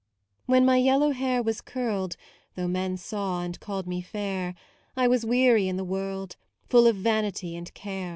When my yellow hair was curled Though men saw and called me fair, I was weary in the world, Full of vanity and care.